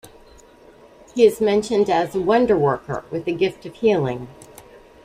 He is mentioned as a wonderworker, with the gift of healing.